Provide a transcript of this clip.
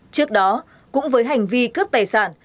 trước đó cũng với hành vi cướp tài sản